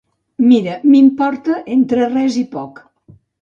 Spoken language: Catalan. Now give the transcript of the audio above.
Mira, m'importa entre res i poc.